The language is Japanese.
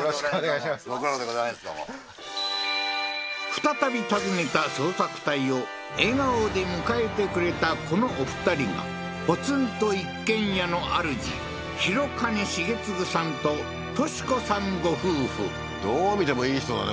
再び訪ねた捜索隊を笑顔で迎えてくれたこのお二人がポツンと一軒家のあるじ廣兼重継さんと紀子さんご夫婦どう見てもいい人だね